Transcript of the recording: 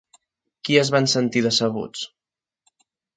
Qui es van sentir decebuts?